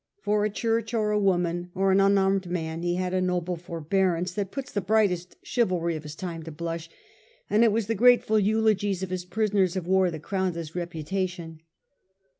For a church, or a woman, or an un armed man, he had a noble forbearance that puts the brightest chivalry of his time to blush, and it was the grateful eulogies of his prisoners of war that crowned his reputation.